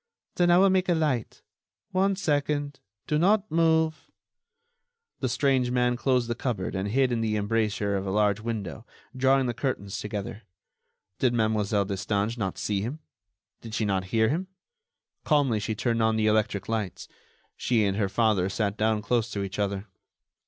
Then I will make a light ... one second ... do not move...." The strange man closed the cupboard and hid in the embrasure of a large window, drawing the curtains together. Did Mlle. Destange not see him? Did she not hear him? Calmly she turned on the electric lights; she and her father sat down close to each other.